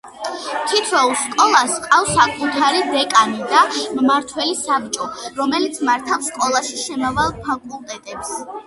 თითოეულ სკოლას ჰყავს საკუთარი დეკანი და მმართველი საბჭო, რომელიც მართავს სკოლაში შემავალ ფაკულტეტებს.